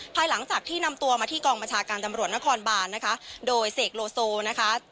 ภายหลังจากที่นำตัวมาที่กองบัญชาการตำรวจนครบานนะคะโดยเสกโลโซนะคะ